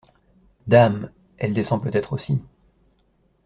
Dame ! elle descend peut-être aussi…